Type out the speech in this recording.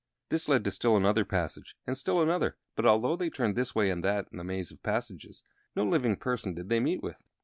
This led to still another passage, and still another; but although they turned this way and that in the maze of passages, no living person did they meet with.